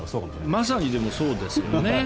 まさにそうですよね。